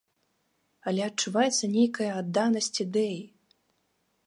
Але адчуваецца нейкая адданасць ідэі.